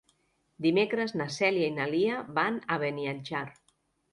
Dimecres na Cèlia i na Lia van a Beniatjar.